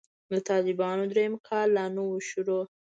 د طالبانو درېيم کال لا نه و شروع.